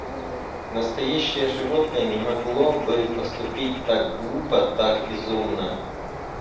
Настоящее животное не могло бы поступить так глупо, так безумно.